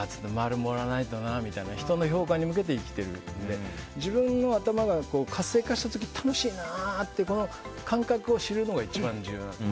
○もらわないとなと人からの評価に向けて生きているので自分の頭が活性化した時楽しいなって感覚を知るのが一番重要だと。